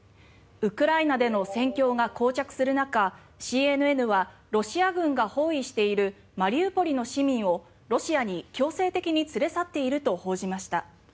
ウクライナでの戦況がこう着する中ＣＮＮはロシア軍が包囲しているマリウポリの市民をロシアに強制的に連れ去っていると報じました。